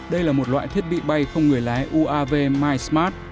đây là một loại thiết bị bay không người lái uav mysmart